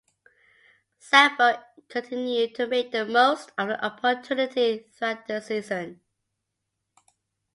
Sabo continued to make the most of the opportunity throughout the season.